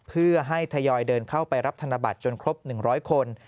เพื่อให้ทยอยเดินเข้าไปรับธนบัตรจนครบ๑๐๐คน